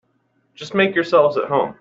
Just make yourselves at home.